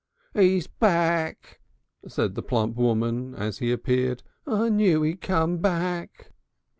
"'E's back," said the plump woman as he appeared. "I knew 'e'd come back."